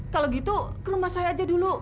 kalau gitu ke rumah saya aja dulu